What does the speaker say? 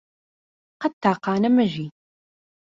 قەت تاقانە مەژی